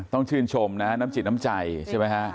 ต้องชื่นชมนะน้ำจิตน้ำใจใช่ไหมฮะ